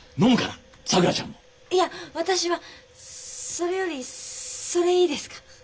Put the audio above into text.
それよりそれいいですか？